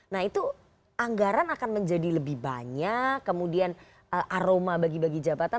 nah itu anggaran akan menjadi lebih banyak kemudian aroma bagi bagi jabatan